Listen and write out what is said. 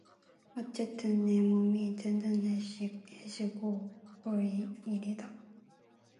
어쨌든 내 몸이 튼튼해지고 볼 일이다.